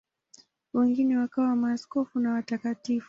Wengine wakawa maaskofu na watakatifu.